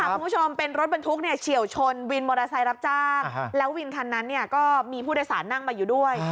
คุณผู้ชมเป็นรถบรรทุกเฉียวชนวินมอเตอร์ไซค์รับจ้างแล้ววินคันนั้นก็มีผู้โดยสารนั่งมาอยู่ด้วย